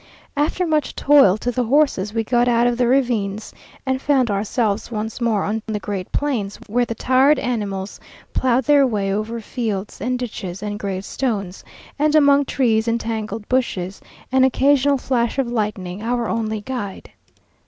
After much toil to the horses, we got out of the ravines and found ourselves once more on the great plains, where the tired animals ploughed their way over fields and ditches and great stones, and among trees and tangled bushes; an occasional flash of lightning our only guide.